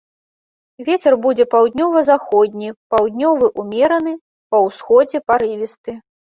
Вецер будзе паўднёва-заходні, паўднёвы ўмераны, па ўсходзе парывісты.